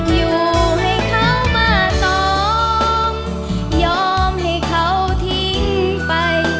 อยู่ให้เขามาสองยอมให้เขาทิ้งไป